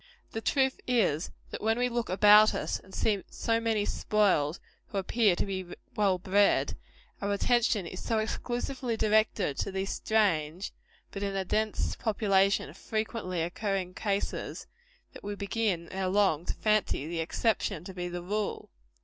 The truth is, that when we look about us and see so many spoiled, who appear to be well bred, our attention is so exclusively directed to these strange, but, in a dense population, frequently occurring cases, that we begin, ere long, to fancy the exception to be the general rule.